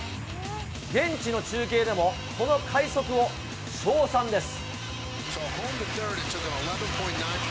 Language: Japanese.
現地の中継でも、この快足を称賛です。